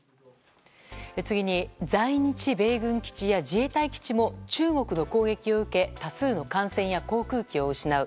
次に、在日米軍基地や自衛隊基地も中国の攻撃を受け多数の艦船や航空機を失う。